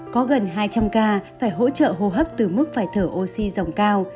có gần hai trăm linh ca phải hỗ trợ hô hấp từ mức phải thở oxy dòng cao